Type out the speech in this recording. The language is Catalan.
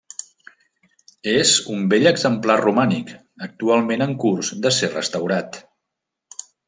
És un bell exemplar romànic, actualment en curs de ser restaurat.